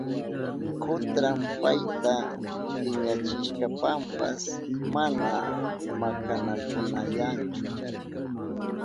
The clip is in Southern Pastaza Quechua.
Kutran payta piñachishpanpas mana makanakunayanchu.